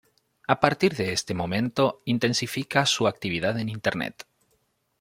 A partir de este momento intensifica su actividad en internet.